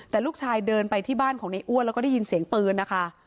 แต่ลูกชายเดินไปที่บ้านของในอ้วนแล้วก็ได้ยินเสียงปืนนะคะ